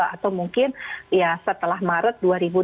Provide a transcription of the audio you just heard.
atau mungkin ya setelah maret dua ribu dua puluh